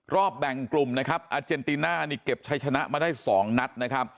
รอบแบ่งกลุ่มอาเจนติน่านี่เก็บใช้ชนะมาได้๒นัด